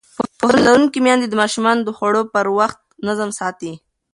پوهه لرونکې میندې د ماشومانو د خوړو پر وخت نظم ساتي.